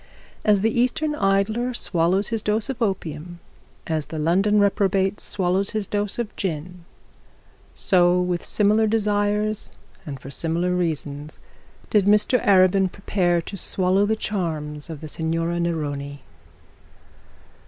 As the Easter idler swallows his dose of opium, as the London reprobate swallows his dose of gin, so with similar desire and for similar reasons did Mr Arabin prepare to swallow the charms of the Signora Neroni.